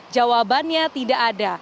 jawabannya tidak ada